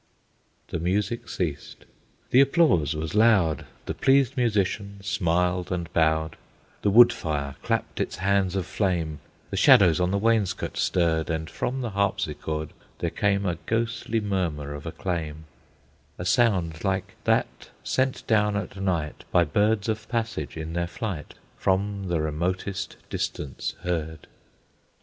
The music ceased; the applause was loud, The pleased musician smiled and bowed; The wood fire clapped its hands of flame, The shadows on the wainscot stirred, And from the harpsichord there came A ghostly murmur of acclaim, A sound like that sent down at night By birds of passage in their flight, From the remotest distance heard.